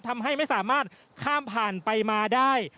ทำให้ไม่สามารถข้ามผ่านไปมาได้